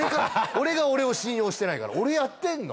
俺が俺を信用してないから「俺やってんの？